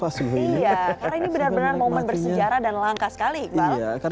iya karena ini benar benar momen bersejarah dan langka sekali iqbal